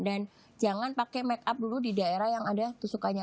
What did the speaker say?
dan jangan pakai make up dulu di daerah yang ada tusukannya